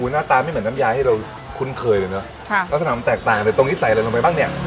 หน้าตาไม่เหมือนน้ำยาที่เราคุ้นเคยเลยเนอะค่ะลักษณะมันแตกต่างเลยตรงนี้ใส่อะไรลงไปบ้างเนี่ย